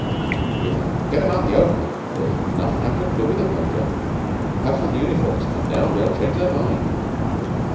"If I could get 'em out into the open, there's nothing I couldn't do with 'em, Major. Perhaps when the uniforms come down, they'll change their mind."